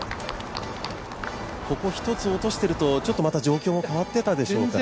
ここ１つ落としてると、ちょっと状況も変わっていたでしょうね。